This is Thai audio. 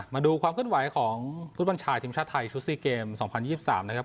มาดูความขึ้นไหวของฟุตบัญชายทีมชาติไทยชุดซีเกมสองพันยี่สิบสามนะครับ